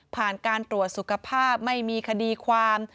ผ่านการตรวจสุขภาพไม่มีคดีความ